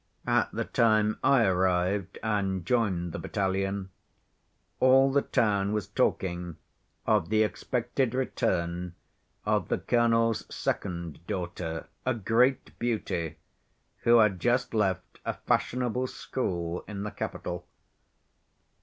At the time I arrived and joined the battalion, all the town was talking of the expected return of the colonel's second daughter, a great beauty, who had just left a fashionable school in the capital.